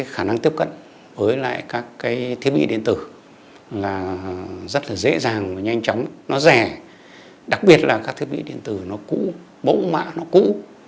khả năng tiếp cận với các thiết bị điện tử rất là dễ dàng và nhanh chóng nó rẻ đặc biệt là các thiết bị điện tử nó cũ bỗng mạ nó cũ